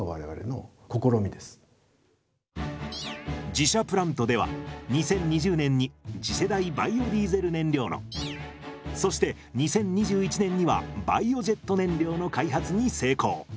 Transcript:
自社プラントでは２０２０年に次世代バイオディーゼル燃料のそして２０２１年にはバイオジェット燃料の開発に成功！